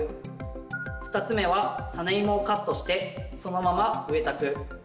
２つ目はタネイモをカットしてそのまま植えた区。